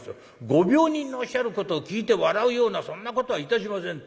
ご病人のおっしゃることを聞いて笑うようなそんなことはいたしません。